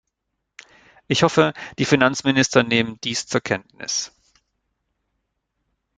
Ich hoffe, die Finanzminister nehmen dies zur Kenntnis.